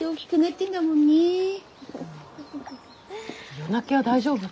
夜泣きは大丈夫？